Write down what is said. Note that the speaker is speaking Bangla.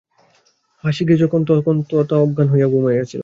হাসিকে যখন চিরদিনের জন্য কুটির হইতে লইয়া গেল, তখন তাতা অজ্ঞান হইয়া ঘুমাইতেছিল।